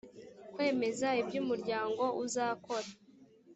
kwemeza ibyo umuryango uzakora